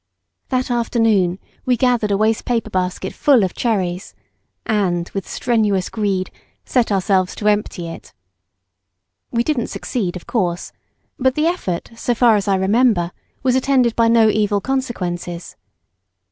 That afternoon we gathered a waste paper basket full of cherries, and, with strenuous greed, set ourselves to empty it. We didn't succeed, of course; but the effort, so far as I remember, was attended by no evil consequences.